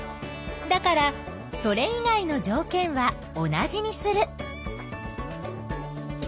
だからそれ以外のじょうけんは同じにする。